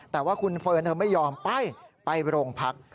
แต่ว่าคุณเฟิร์นเธอไม่ยอมไปไปโรงพัก